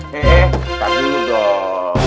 hei eh tapi dulu dong